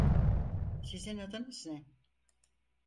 Sizin adınız ne?